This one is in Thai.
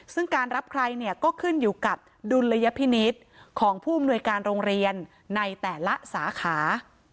ซึ่งการรับใครเนี่ยก็ขึ้นอยู่กับดุลยพินิษฐ์ของผู้อำนวยการโรงเรียนในแต่ละสาขา